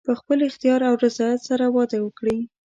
په خپل اختیار او رضایت سره واده وکړي.